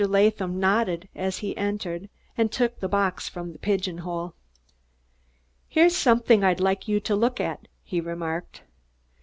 Latham nodded as he entered, and took the box from the pigeonhole. "Here's something I'd like you to look at," he remarked.